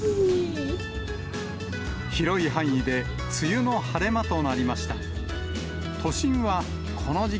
広い範囲で梅雨の晴れ間となりました。